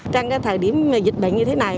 trong thời điểm dịch bệnh như thế này